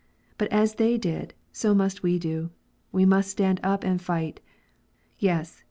But as they did, so must we do : we must stand up and fight. Yes